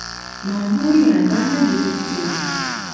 Manvuuli yange ani agitutte?